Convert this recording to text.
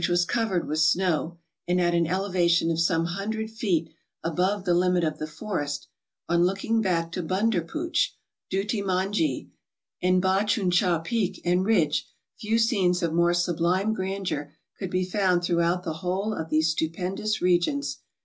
was covered with snow, and at an elevation of some hundred feet above the limit of the forest, on look¬ ing back to Bundurpooch, Duti Manji, and Ba chuncha peak and ridge, few scenes of more sublime grandeur could be found throughout the whole of these stupendous regions.